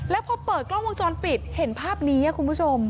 แล้วพอเปิดกล้องวงจรปิดเห็นภาพนี้คุณผู้ชม